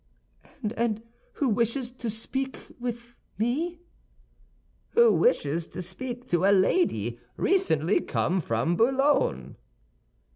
"And who wishes to speak with me?" "Who wishes to speak to a lady recently come from Boulogne."